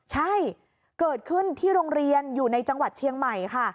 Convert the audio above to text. ใช่เกิดขึ้นที่โรงเรียนอยู่ในจังหวัดเชียงใหม่ค่ะ